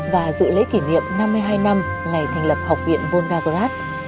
và dự lễ kỷ niệm năm mươi hai năm ngày thành lập học viện volgarat